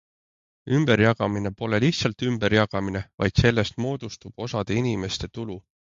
Ümberjagamine pole lihtsalt ümberjagamine, vaid sellest moodustub osade inimeste tulu.